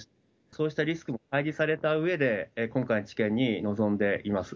そうしたリスクも開示されたうえで、今回の治験に臨んでいます。